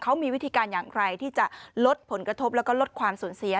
เขามีวิธีการอย่างไรที่จะลดผลกระทบแล้วก็ลดความสูญเสีย